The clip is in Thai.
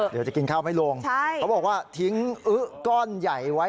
เดี๋ยวจะกินข้าวไม่ลงเขาบอกว่าทิ้งอึ๊ก้อนใหญ่ไว้